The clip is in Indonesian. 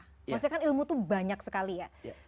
maksudnya kan ilmu tuh banyak sekali ya